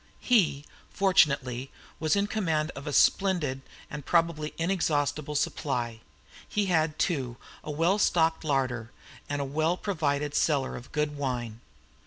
He, fortunately, was in command of a splendid and probably inexhaustible supply; he had, too, a well stocked larder and a well provided cellar of good wine.